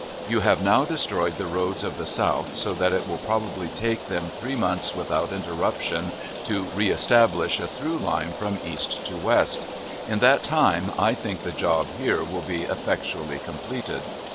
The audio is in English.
You have now destroyed the roads of the South so that it will probably take them three months without interruption to reestablish a through line from east to west. In that time I think the job here will be effectually completed.